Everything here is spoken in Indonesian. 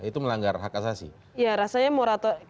itu melanggar hak asasi ya rasanya moratori